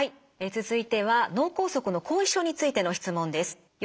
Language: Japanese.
続いては脳梗塞の後遺症についての質問です。